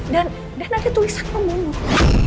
dan ada tulisan pembunuh